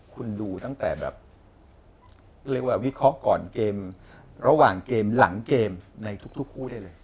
คุณดูตั้งแต่แบบเรียกว่าวิเคราะห์ก่อนเกมระหว่างเกมหลังเกมในทุกคู่ได้เลย